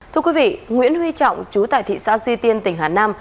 thưa quý vị nguyễn huy trọng chú tại thị xã duy tiên tỉnh hà nam